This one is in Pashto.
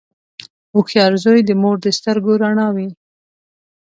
• هوښیار زوی د مور د سترګو رڼا وي.